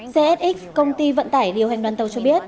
csx công ty vận tải điều hành đoàn tàu cho biết